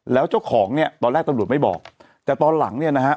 แล้วเจ้าของเนี่ยตอนแรกตำรวจไม่บอกแต่ตอนหลังเนี่ยนะฮะ